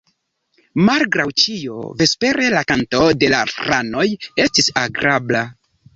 Malgraŭ ĉio, vespere la kanto de la ranoj estis agrabla.